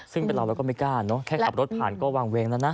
ซึ่งเป็นเราเราก็ไม่กล้าเนอะแค่ขับรถผ่านก็วางเวงแล้วนะ